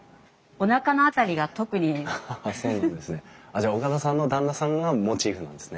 じゃあ岡田さんの旦那さんがモチーフなんですね。